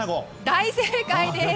大正解です！